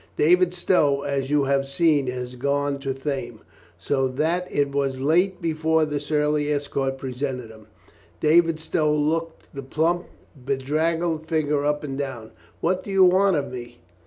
David Stow, as you have seen, had gone to Thame. So that it was late before the surly escort presented him. David Stow looked the plump, bedraggled figure up and down. "What do you want of me?"